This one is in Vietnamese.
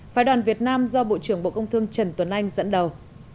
phái đoàn việt nam do bộ trưởng bộ công thương trần tuấn anh dẫn đầu